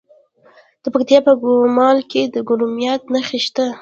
د پکتیکا په ګومل کې د کرومایټ نښې شته.